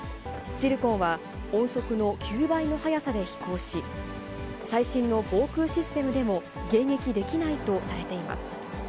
ツィルコンは、音速の９倍の速さで飛行し、最新の防空システムでも迎撃できないとされています。